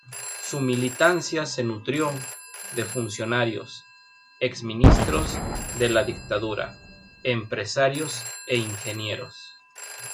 Su militancia se nutrió de funcionarios, exministros de la dictadura, empresarios e ingenieros.